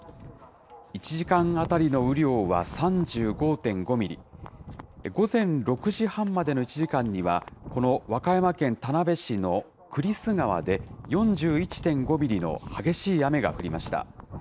１時間当たりの雨量は３５．５ミリ、午前６時半までの１時間には、この和歌山県田辺市の栗栖川で、４１．５ミリの激しい雨が降りました。